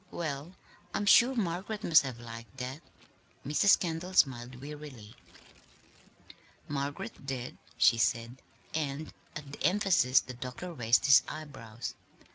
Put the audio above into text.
Well, I'm sure Margaret must have liked that." Mrs. Kendall smiled wearily. "Margaret did," she said; and at the emphasis the doctor raised his eyebrows.